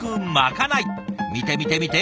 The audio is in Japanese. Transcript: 見て見て見て！